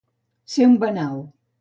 Ser un banau.